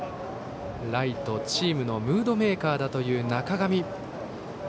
ライトは、チームのムードメーカーだという中上。